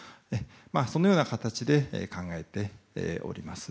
そのような形で考えております。